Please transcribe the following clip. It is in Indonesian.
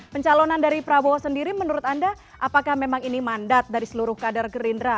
pencalonan dari prabowo sendiri menurut anda apakah memang ini mandat dari seluruh kader gerindra